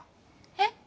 えっ？